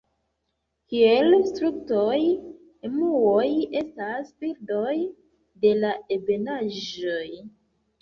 Kiel strutoj, emuoj estas birdoj de la ebenaĵoj.